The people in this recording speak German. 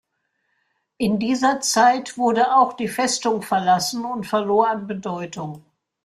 In dieser Zeit wurde auch die Festung verlassen und verlor an Bedeutung.